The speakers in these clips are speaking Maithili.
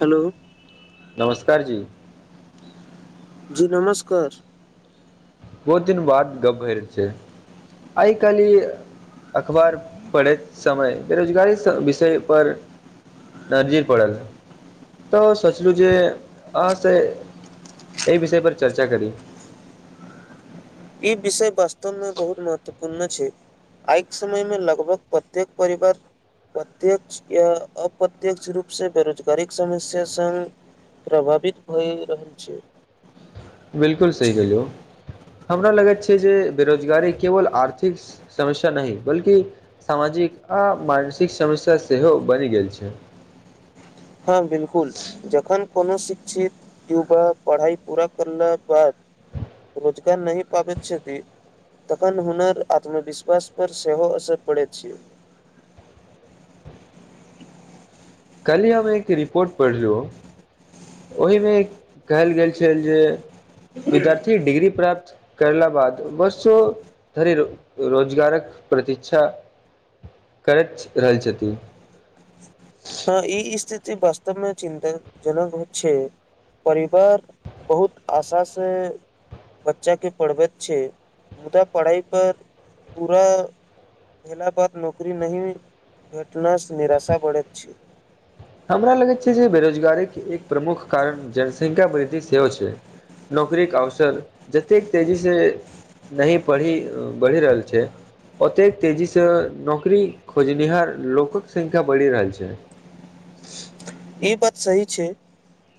हेलो नमस्कार जी जी नमस्कार बहुत दिन बाद गप भै रहल छै आइ कालहि अखबार पढ़ैत समय बेरोजगारी से विषय पर नजैर पलल त सोचलहुँ जे अहाँसँ एहि विषय पर चर्चा करी ई विषय वास्तवमें बहुत महत्वपूर्ण पूण छै आइ समय मे लगभग प्रत्येक परिवार प्रत्यक्ष या अप्रत्य्यक्ष रूप से बेरोजगारी समस्या संग प्रभावित भए रहल छै बिल्कुल सही कियौ हमरा लगैत छै जे बेरोजगारी केवल आर्थिक स समस्या नहि बल्कि सामाजिक आ मानसिक समस्या सेहो बनि गेल छै हँ बिलकुल जखन कोनो शिक्षित युवा पढ़ाई पूरा करला के बाद रोजगार नहि पाबैत छति तखन हुनर आत्मविश्वास पर सेहो असर पड़े छिये कल ही हम एक रिपोर्ट पढ़लु ओहिमे कहल गेल छल जे विद्यार्थी के डिग्री प्राप्त करला बाद बरसो धरि रोजगारक प्रतिक्षा करैत रहल छथि इ स्थिति वास्तवमे चिन्ता जनक छै परिवार बहुत आशासँ बच्चाके पढ़बैत छै मुदा पढ़ाइ पर पूरा भेला बाद नौकरी नहि भेटनास निराशा बढ़ैत छै हमरा लगैत छै जे बेरोजगारी के एक प्रमुख कारण जनसंख्या वृद्धि सेहो छै नौकरीके अवसर जतेक तेजी से नहि पढ़ी बढ़ि रहल छै ओतेक तेजी से नौकरी खोजनिहार लोकक संख्या बढ़ि रहल छै इ बात सही छै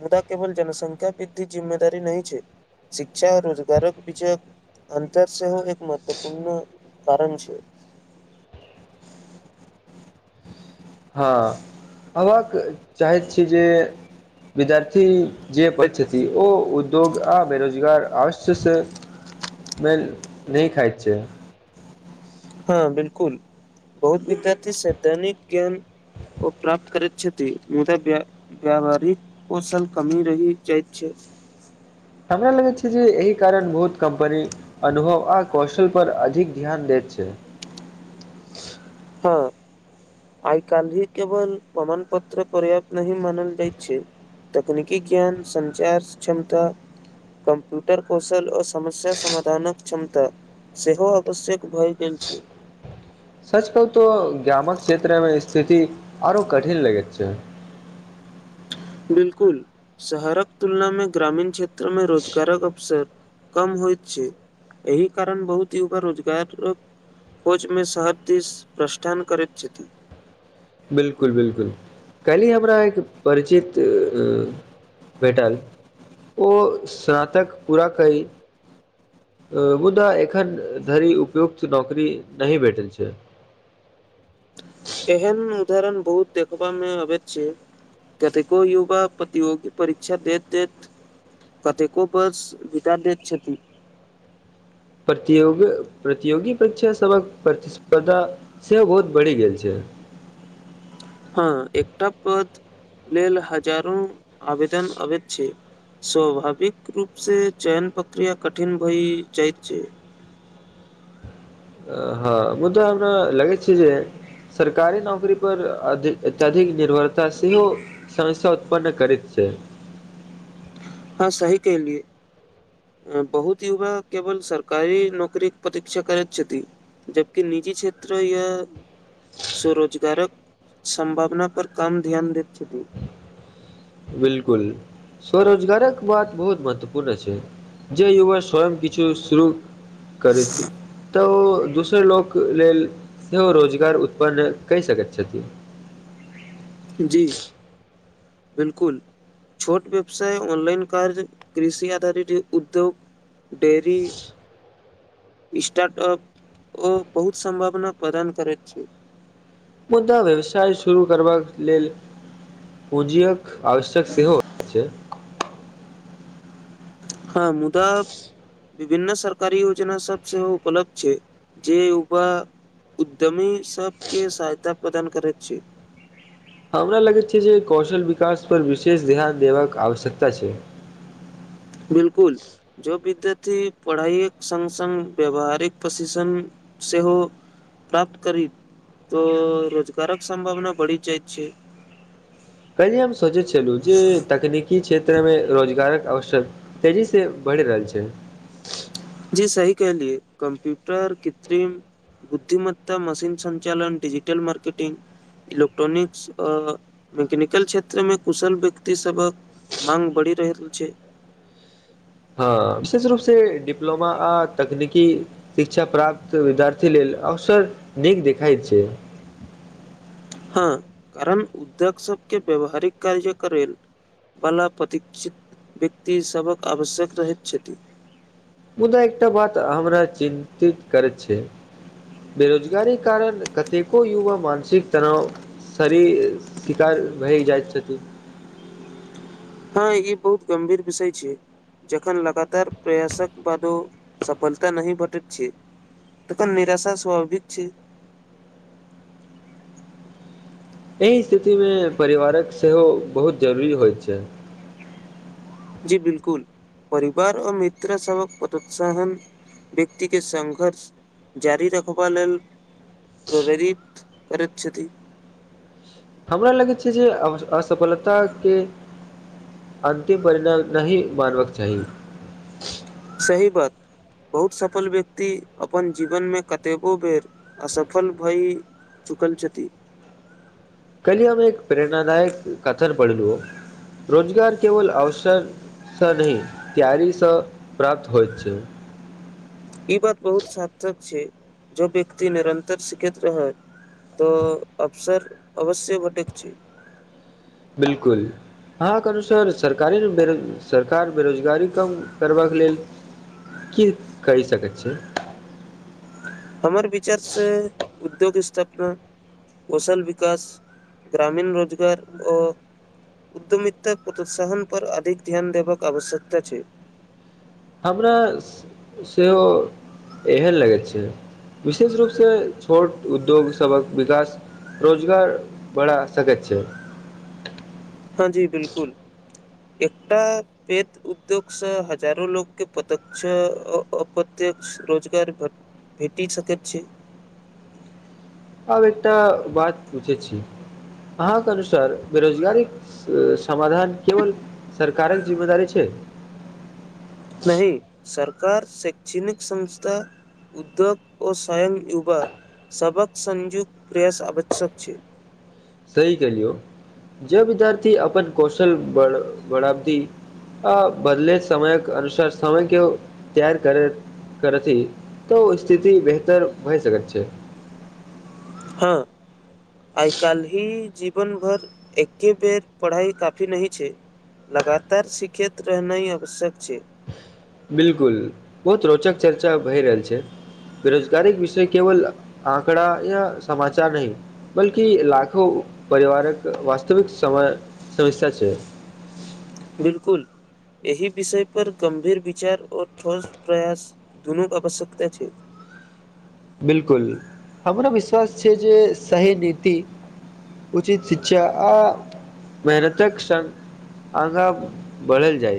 मुदा केवल जनसंख्या वृद्धी जिम्मेदारी नहि छै शिक्षा रोजगारक विजय अंतर सेहो एक महत्वपूर्ण कारण छै हँ अबाक चाहैत छी जे विद्यार्थी जे पथति ओ उद्योग आ बेरोजगार अवश्य से मे नही खाइत छियै हँ बिलकुल बहुत विद्यार्थी सैधनिक ज्ञान ओ प्राप्त करैत छति मुदा ब व्यवहारिक कौशल कमी रहि जाइत छै हमरा लगैत छै जे एहि कारण बहुत कम्पनी अनुभव आ कौशल पर अधिक ध्यान देैत छै हँ आइ काल ही केवल प्रमाण पत्र पर्याप्त नहि ही मानल जाइ छै तकनीकी ज्ञान संचार क्षमता कम्प्यूटर कौशल आ समस्या समाधानक क्षमता सेहो आवश्यक भए गेल छै सच कहू तो ग्रामक क्षेत्र मे स्थिति आरो कठिन लगैत छै बिलकुल शहरक तुलना मे ग्रामीण क्षेत्र में रोजगारक अवसर कम होइ छै एहि कारण बहुती रोजगार कोचमे शहरदिश प्रस्ठान करैत छथि बिलकुल बिलकुल कालली हमरा एक परिचित भेटल ओ स्नातक पूरा की मुदा एखन धरि उपयुक्त नौकरी नहि भेटल छै एहन उदाहरण बहुत देखबामे अ कतेको युवा प्रतियोगी परीक्षा देैत देैत कतेको वर्ष वितदा दैत छथिन प्रतियोगी प्रतियोगी परीक्षासभक प्रतिस्पर्धा सेहो बहुत बढ़ि गेल छै हँ एकटा पद लेल हजारो आवेदन अबैत छै स्वभाविक रूप से चयन प्रक्रिया कठिन भइ जाइत छै हँ मूदा हमरा लगै छै जे सरकारी नौकरी पर अत्यधिक निर्भर तऽ सेहो समस्या उत्पन्न करैत छै हँ सही कहलियै बहुत युवा केवल सरकारी नौकरी के प्रतीक्षा करैत छथि जबकि निजी क्षेत्र या स्वरोजगारक संभावना पर काम ध्यान दे बिलकुल स्वरोजगारक बात बहुत महत्वपूर्ण छै जे युवा स्वयं किछु शु कर तऽ द दोसर लोक लेल सेहो रोजगार उत्पन्न क सकैत छथ जी बिलकु छोट व्यवसाय ऑनलाइन काराज कृषि आधारित उद्यग डेर स्टार्टअप ओ बहुत सम्भावना प्रदान करैत छ मुदा व्यवसाय शुरू करबाक लेल पूँजीक आवश्यक सहो छ हँ मुद विभिन्न सरकारी योजना सब सेहो उलब्ध छै जे उभा उद्यमी सबके सहायता प्रदान करैत छ हमरा लगैत छै जे कौशल विकास पर विशेष ध्यान देबाक आवश्यकता छ बिलकुल जो विद्यार्थ पढ़ाइके सङ्ग सङ्ग व्यावहारिक प्रशिक्षण सहो प्राप्त कर त रोजगारक सं्भावना बढ़ि जाइ छै कालहम सोचैत छलहुँ जे तकनीकी क्षेत्रमे रोजगारक अवस तेजीसँ बढ़ि रहल छ जी सही कहलियए कम्प्यूटर कित बुद्धिमत्ता मशीन संञ्चालन डजिटल मार्केटिग इलेक्ट्रॉनिक्स आ मैकेनिकल क्षेत्र मे कुशल व्यक्ति सब मांग बढ़ि रहल छ हँ विशेष रूप से प्लोमा आ तकनीकी शिक्षा प्राप्त विद्यार्थी लेल अवसर नीक देखइत छ हँ कारण उद्योग सके व्यावहारिक कार्यकरेल वला प्रतीक्षित व्यक्ति सभक आवश्यक रहैत छथ मुदा एकटा बात हमरा चिन्तित करैत छ बेरोजगार कारण कतेको युवा मानसिक तना शरीर शिकार भए जाइत छथि हँ ई बहुत गंभीर विषय छै जखन लगातार प्रयासक बादो सफलता नहि भटैत छै तखन निराशा स्वाभाविक छ एहि स्थितिमे परिवारक सेहो बहुत जरूरी हइत छै जी बिलकुल परिवार आर मित्र सबक प्रोत्सहन व्यक्ति के संघर्ष जारी रखबा ले प्रवरीित कछत हमरा लगैत छै जे असफलताक अन्तिम परिणाम नहि मानबाक चाह सही बा बहुत सफल व्यक्ति अपन जीवन मे कतेको बेर असफल भ चुकलछति कल हममे एक प्रेरणादायक कथन पढ़ल रोजगार केवल अवस स नह तार स प्राप्त होयत छ ई बात बहुत सार्थक छै ज व्यक्त निरन्तरसिखैत रहै तो अफसर अवश्य भटक छ बिलकु हँ करू सर सरकारी बे सरकार बेरोजगारी कम करबाक ले की कहि सकैत छिय हमर विचारसँ उद्योग स्थापना कौशल विका ग्रामीण रोजगार उद्यमिततााक प्रोत्साहन पर अधिक ध्यान देबाक आवश्यकता छ हमरा सेह एहन लगैत छै विशेष रूपसँ छोट उद्योगसभक वकास रोजगार बढ़ा सकैत छ हँ जी बिलकुल एकट पेत उद्योगसँ हजारो लोके प्रत्ष अप्रत्यक्ष रोजगर भ भेटी सकैत छ आब एकटा बात पुछै छ अहाँके अनुसार बेरोजगारी समाधान केव सरकारक जिम्मेदारी छ नहि सरकार शैणिक संस्था उद्योग ओ स्वयं युवा सबक संयुक्त प्रयास वश्यक छै सही क लियौ जे विद्यार्थी अपन कौशल ब ढ़बी आ बदल समय अनुसार समय के तैार कर करथि तऽ ओ स्थिति बेहतर भए सकैत छ हँ आइ काल ही ज जीवन भर एके बेर पढ़ाई काफी नह छ लगातार सिखैत रहनाइ आवश्यक छ बिलकुल बहुत रोचक चर्चा भए रहल छ बेरोजगारी के विषय केवल आंकड़ा या समाचार हि बल्कि लाखो परिवारक वस्तविक समय समस् छै बिल्कु एहि विषयपर गम्भीर विचार आओर ठोस प्रयास दुनूक आवश्यकता छ बिलकुल हमरा विश्वास छै जे सही नीत उचित शिक्षा आ मेहनतक सं आगाँ बढ़ल जा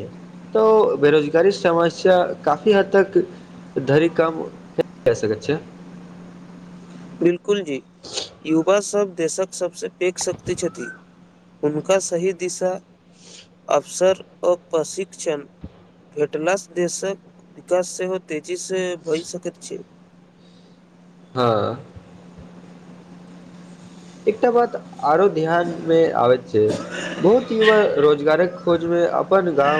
तो बेरोजगारी समस्या काफी हद त धरिक काम कए सकैत छ बिलकुल जी युवाभ देशक सबसँ पैघशक्ति छथि हुनका सही दिशा अवसर आ प्रशिक्ष भेटलासँ देशक विकास सेहो तेजीसँ भऽ सकैत छ ह एकटा बात आरो ध्यान मे आबै छ बहुत युवा रोजगारक खोज मे अपन गाँं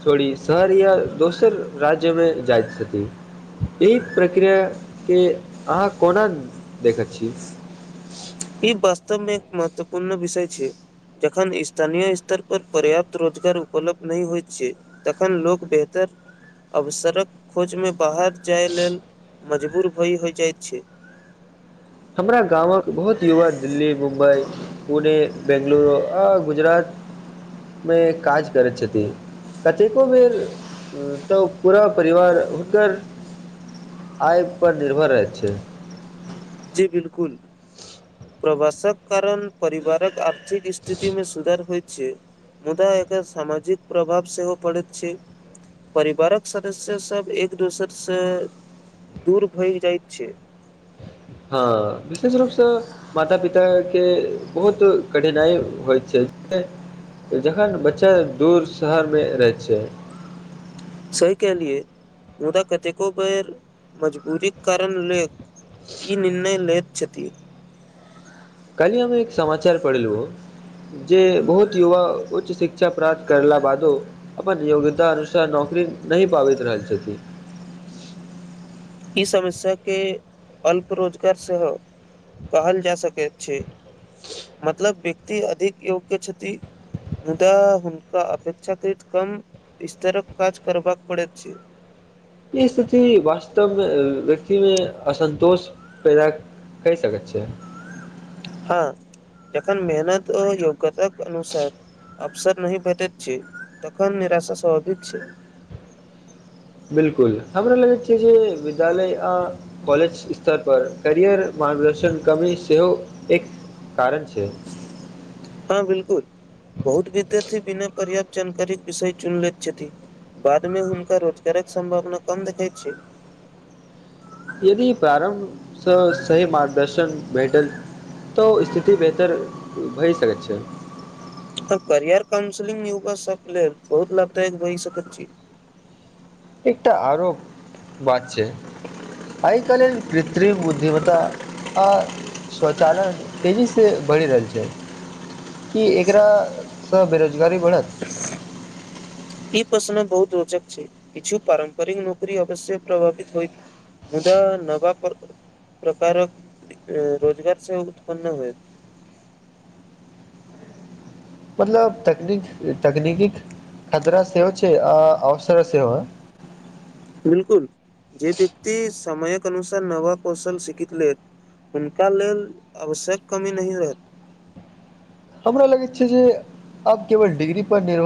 छोड़ी शहर या दोसर राज्य में जाइ एहि प्रक्रियाके अहाँ कोना देखैत छ ई वास्तवमे एक महत्वपूर्ण विषय छ जखन स्थानीय स्तर पर पर्याप्त रोजगार उपलब्ध नहि होयत छ तखन लोक बेहतर अवसर खोजमे बाहर जाय लेल मजबूर भय होय जाइत छ हमरा गामक बहुत युवा दिल्ली मुम्ब पुने बेंगलूर आ गुजरात मेमे काज करैत छथ कतेको बेर तऽ पूरा परिवार हुनक आय पर निर्भर रहैत छै जी बिलकुल प्रवासक कारण परिवार आर्थिक स्थिति मे सुधार होइ छै मुदा एकर सामाजिक प्रभाव सेहो पड़त छ परिवारक सदस्य सब एक दोसर से दूर भय जाय छ हँ विशेष रूपस माता पिता के बहुत कठिनाइ होइ छ तऽ जखन बच्चा दूर शहरमे रहै छ सही कलियए मुदा कतेको बेर मजबूरी कारण लख की निर्णय लेत छथि कलहि हम एक समाचार पढ़लह जे बहुत युवा उच्च शिक्षा प्राप्त करला बाद अपन योग्यता अनुसार नौकरी नहि पाबैत रहल छथि ई समस्या के अल्प रोजगार स कहल जा सकैत छै मतलब व्यक्ति अधिक योग्य छथ मुदा हुनका अपेक्षा करृत कम स्त्रीक काज करबाक पड़ैत छ ई स्थिति वास्तवमे व्यक्तिमे असन्तोष पैद कहि सकैत छिय हँ एखव मेहनत ओ योग्यतााक अनुसा अवसर नहि भेटैत छै तखन निराशा स्वाभाविक छ बिलकुल हमरा लगैत छै जे विद्यालय कॉलेज स्तर पर करियर मार्गदर्शन कमी सेहो एक कारण छ हँ बिलकुल बहुत विद्यार्थी बिना पर्याप्त जानकारी विषय चुन लै छथि बाद मे हुनका रोजगारक सम्भावना कम देखैत छ यदि प्रारम्भसँ सही मार्गदर्शन भेट तऽ ओ स्थिति बेहतर भए सकैत छ तऽ करियर काउंसलिंग युगा सब लेल बहुत लाभदायक भहि सकैत छ एकटा आरो बात छ आइकाल्हिन कृत्रिम बुद्धिमत्त आ स्वचालन तेजी से बढ़ि रहल छ कि एकरासँ बेरोजगारी बढ़ ई प्रशन बहुत रोचक छै किछु पारम्परिक नौकरी अवश्य प्रभावित हो मुदा नव प्रकारक रोजगार से उत्पन्न होए मतलब तकनीक तकनीक खतरा सेहो छै आ अवसर सेहो ह बिलकुल जेे व्यक्ति समामयक अनुसार नव कौशल शिखित ले हुनका लेल आवश्यक कमी नहि रह हमरा लगैत छै जे आब केवल डिग्री पर निर्भ